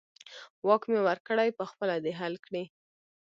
واک مې ورکړی، په خپله دې حل کړي.